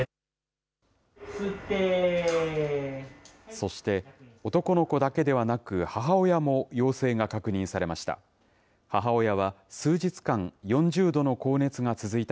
そして、男の子だけではなく、母親も陽性が確認されました。